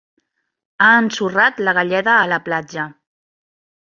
Ha ensorrat la galleda a la platja.